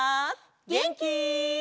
げんき？